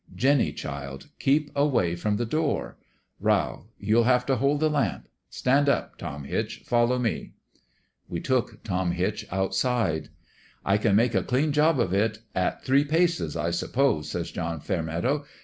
Jinny, child, keep away from the door. Rowl, you'll have to hold the lamp. ... Stand up, Tom Hitch. Follow me.' " We took Tom Hitch outside. '"I can make a clean job of it at three paces, I suppose,' says John Fairmeadow.